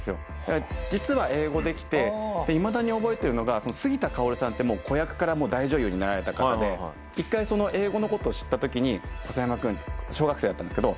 いまだに覚えてるのが杉田かおるさんって子役から大女優になられた方で一回英語の事を知った時に「細山くん」って小学生だったんですけど